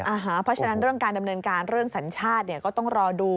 เพราะฉะนั้นเรื่องการดำเนินการเรื่องสัญชาติก็ต้องรอดู